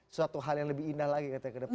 suatu hal yang lebih indah lagi katanya ke depan